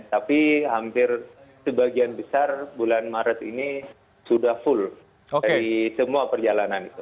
tapi hampir sebagian besar bulan maret ini sudah full dari semua perjalanan itu